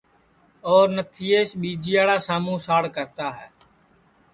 اور نتھیس ٻیجیاڑا شاموں ساڑ کرتا ہے